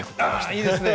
ああいいですね！